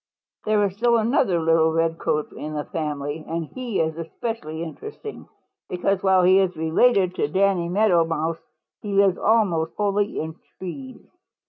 "There is still another little Redcoat in the family, and he is especially interesting because while he is related to Danny Meadow Mouse he lives almost wholly in trees.